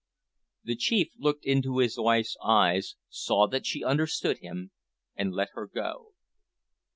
The chief looked into his wife's eyes, saw that she understood him, and let her go.